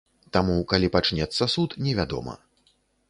Таму калі пачнецца суд, невядома.